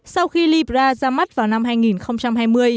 sau khi libra ra mắt vào năm hai nghìn hai mươi